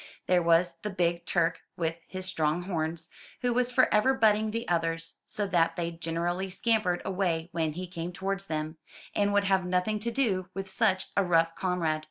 There was the big Turk with his strong horns, who was forever butting the others; so that they generally scampered away when he came towards them, and would have nothing to do with such a rough comrade.